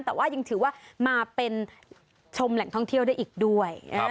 แต่ว่ายังถือว่ามาเป็นชมแหล่งท่องเที่ยวได้อีกด้วย